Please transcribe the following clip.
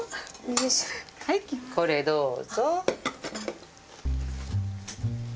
はいこれどうぞ。